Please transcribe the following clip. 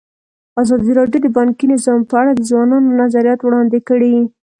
ازادي راډیو د بانکي نظام په اړه د ځوانانو نظریات وړاندې کړي.